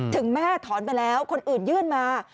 ถึงแม่ถอนไปแล้วคนอื่นยื่นมา